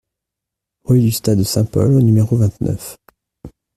Rue du Stade Saint-Paul au numéro vingt-neuf